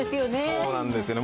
そうなんですよね。